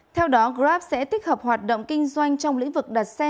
theo đó grab sẽ tích hợp hoạt động kinh doanh trong lĩnh vực đặt xe